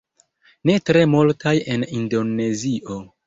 Ne tre multaj en indonezio